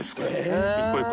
１個１個